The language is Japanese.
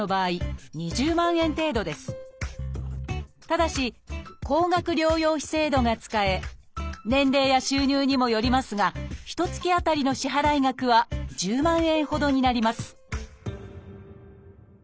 ただし高額療養費制度が使え年齢や収入にもよりますがひとつき当たりの支払い額は１０万円ほどになります